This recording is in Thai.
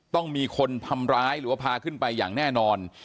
ต้องมีคนทำร้ายหรือว่าพาขึ้นไปอย่างแน่นอน